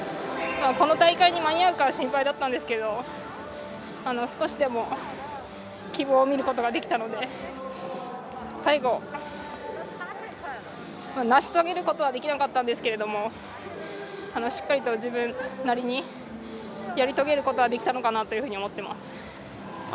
この大会に間に合うか心配だったんですけど、少しでも希望を見ることができたので最後、成し遂げることはできなかったんですけどもしっかりと自分なりにやり遂げることはできたのかなと思っています。